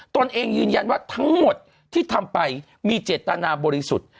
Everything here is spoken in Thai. ตนเองยืนยันว่าทั้งหมดที่ทำไปมีเจตนาบริสุทธิ์